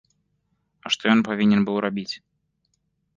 А што ён павінен быў рабіць?!